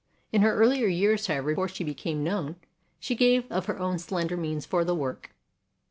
In her earlier years, however, before she became known, she gave of her own slender means for the work.